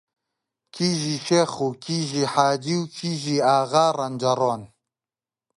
کیژی شێخ و کیژی حاجی و کیژی ئاغا ڕەنجەڕۆن